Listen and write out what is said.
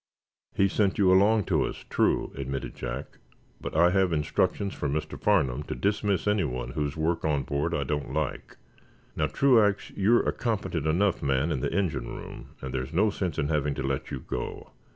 "He sent you along to us, true," admitted Jack, "but I have instructions from Mr. Farnum to dismiss anyone whose work on board I don't like. Now, Truax, you're a competent enough man in the engine room, and there's no sense in having to let you go.